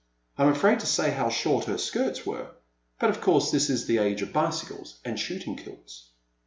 I 'm afraid to say how short her skirts were, — but of course this is the age of bicycles and shooting kilts.